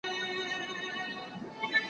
زه پرون د سبا لپاره د هنرونو تمرين کوم